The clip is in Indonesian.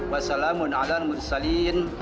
wassalamun ala alamun salin